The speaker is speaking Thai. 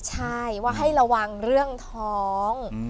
ใช่ว่าให้ระวังเรื่องท้อง